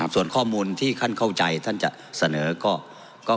ส่วนข้อมูลที่ท่านเข้าใจท่านจะเสนอก็